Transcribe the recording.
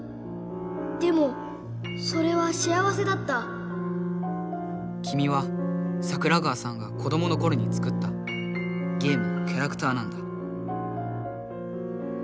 でもそれはしあわせだったきみは桜川さんが子どものころに作ったゲームのキャラクターなんだ。